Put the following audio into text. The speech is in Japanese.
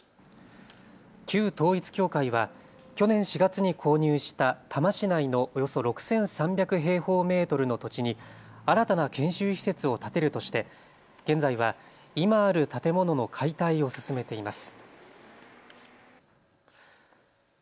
旧統一教会は去年４月に購入した多摩市内のおよそ６３００平方メートルの土地に新たな研修施設を建てるとして現在は今ある建物の解体を進めています。